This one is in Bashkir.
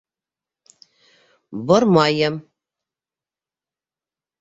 Бормайым.